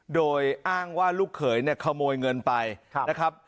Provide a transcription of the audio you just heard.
โดยอ้างว่าลูกเขยเนี่ยขโมยเงินไปนะครับ